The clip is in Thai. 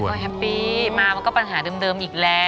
ไม่ค่อยแฮปปี้มาก็ปัญหาเดิมอีกแล้ว